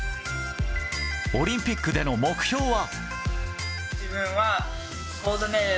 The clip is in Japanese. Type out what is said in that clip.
オリンピックでの目標は。